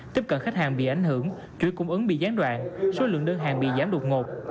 tiếp cận khách hàng bị ảnh hưởng chuỗi cung ứng bị gián đoạn số lượng đơn hàng bị giảm đột ngột